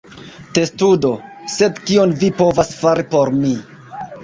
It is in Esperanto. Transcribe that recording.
Testudo: "Sed, kion vi povas fari por mi?"